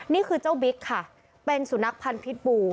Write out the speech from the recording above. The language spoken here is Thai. นี่คือเจ้าบิ๊กค่ะเป็นสุนัขพันธ์พิษบู